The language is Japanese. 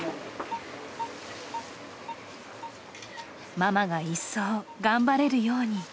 ママが一層、頑張れるように。